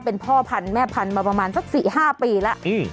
เป็นพ่อพันธุ์แม่พันธุ์มาประมาณสัก๔๕ปีแล้ว